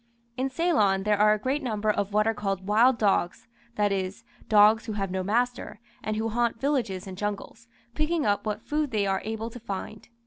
In Ceylon there are a great number of what are called wild dogs, that is, dogs who have no master, and who haunt villages and jungles, picking up what food they are able to find.